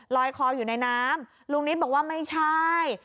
คออยู่ในน้ำลุงนิดบอกว่าไม่ใช่